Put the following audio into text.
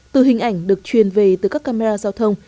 từ hình ảnh được truyền về từ các camera giao thông